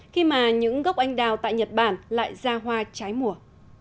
khi mà những gốc anh đào tại nhật bản lại ra hoa trái mùa